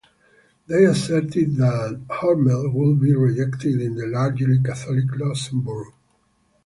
They asserted that Hormel would be rejected in the largely Catholic Luxembourg.